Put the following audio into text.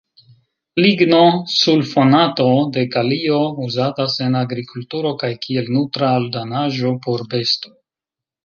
Ligno-sulfonato de kalio uzatas en agrikulturo kaj kiel nutro-aldonaĵo por bestoj.